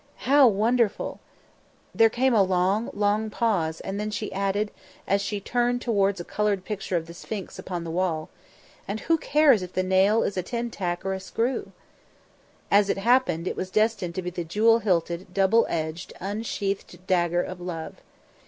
How wonderful!" There came a long, long pause, and then she added, as she turned towards a coloured picture of the Sphinx upon the wall, "And who cares if the nail is a tin tack or a screw?" As it happened, it was destined to be the jewel hilted, double edged, unsheathed dagger of love.